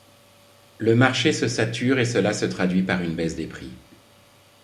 Le marché se sature et cela se traduit par une baisse des prix.